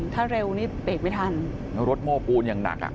ถ้าระวิดนี้เบรกไม่ทันแล้วรถโมคลอย่างหนักอ่ะ